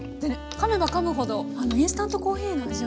かめばかむほどインスタントコーヒーの味わいが少し。